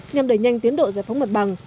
nhằm đẩy nhanh tiến độ giải phóng mặt bằng